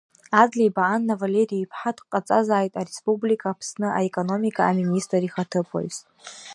Адлеиба Анна Валери-иԥҳа дҟаҵазааит Ареспублика Аԥсны аекономика аминистр ихаҭыԥуаҩс.